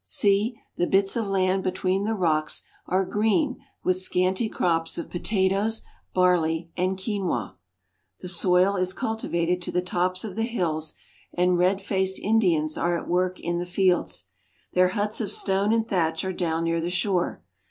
See, the bits of land be tween the rocks are green with scanty crops of potatoes, barley^ and quinua. The soil is cultivated to the tops of Indians in Balsas, Lake Titicaca. the hills, and red faced Indians are at work in the fields. Their huts of stone and thatch are down near the shore.